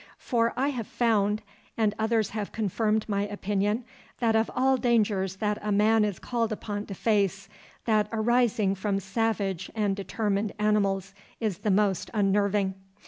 For I have found, and others have confirmed my opinion, that of all dangers that a man is called upon to face, that arising from savage and determined animals is the most unnerving.